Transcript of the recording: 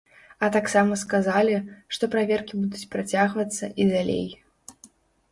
А таксама сказалі, што праверкі будуць працягвацца і далей.